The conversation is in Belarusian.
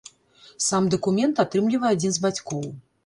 Сам дакумент атрымлівае адзін з бацькоў.